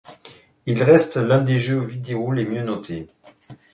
Il reste l'un des jeux vidéo les mieux notés.